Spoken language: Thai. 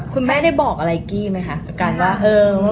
คุณแม่ได้บอกอะไรกี้ไหมคะการเป็นแม่จะต้องยังไง